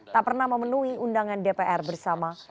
tak pernah memenuhi undangan dpr bersama